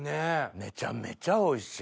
めちゃめちゃおいしい。